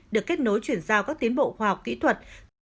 được kết nối chuyển giao các tiến bộ khoa học kỹ thuật